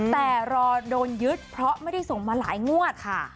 แต่รอโดนยึดเพราะไม่ได้ส่งมาหลายงวดค่ะ